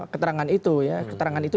keterangan itu ya keterangan itu